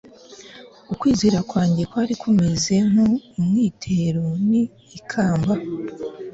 ukwizera kwanjye kwari kumeze nk umwitero n ikamba